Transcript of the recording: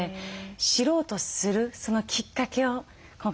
知ろうとするそのきっかけを今回またすてきにね